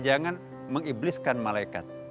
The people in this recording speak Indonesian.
jangan mengibliskan malaikat